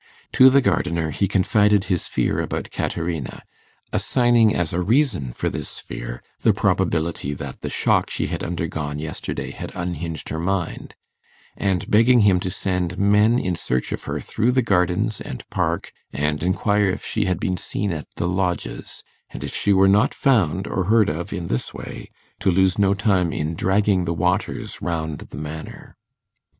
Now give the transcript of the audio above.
To the gardener he confided his fear about Caterina, assigning as a reason for this fear the probability that the shock she had undergone yesterday had unhinged her mind, and begging him to send men in search of her through the gardens and park, and inquire if she had been seen at the lodges; and if she were not found or heard of in this way, to lose no time in dragging the waters round the Manor.